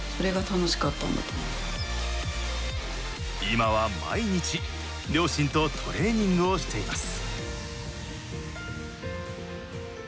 今は毎日両親とトレーニングをしています。